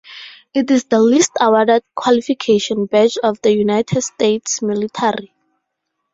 It is the least awarded qualification badge of the United States military.